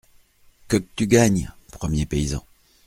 Que qu' tu gagnes ? premier paysan .